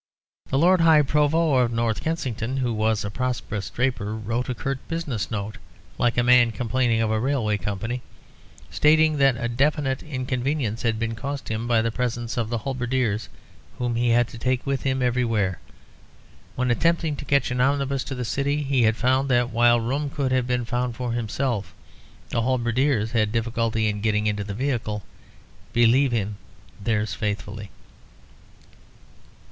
The Lord High Provost of North Kensington, who was a prosperous draper, wrote a curt business note, like a man complaining of a railway company, stating that definite inconvenience had been caused him by the presence of the halberdiers, whom he had to take with him everywhere. When attempting to catch an omnibus to the City, he had found that while room could have been found for himself, the halberdiers had a difficulty in getting in to the vehicle believe him, theirs faithfully.